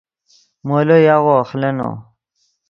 مولو یاغو اخلینو